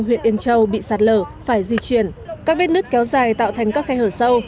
huyện yên châu bị sạt lở phải di chuyển các vết nứt kéo dài tạo thành các khe hở sâu